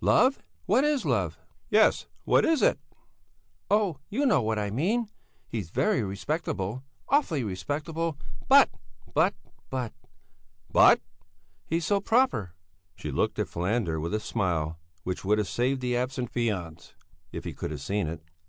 Love? Hm! What is love?" "Yes, what is it?" "Oh, you know what I mean. He's very respectable, awfully respectable, but, but, but...." "But?" "He's so proper." She looked at Falander with a smile which would have saved the absent fiancé, if he could have seen it.